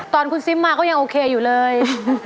ตอนคุณซิมมาก็ยังโอเคอยู่เลย